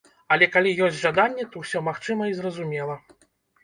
Але калі ёсць жаданне, то ўсё магчыма і зразумела.